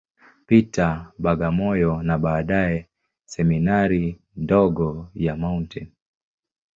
Peter, Bagamoyo, na baadaye Seminari ndogo ya Mt.